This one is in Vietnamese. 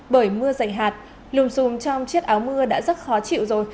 bởi mưa dày hạt lùm xùm trong chiếc áo mưa đã rất khó chịu rồi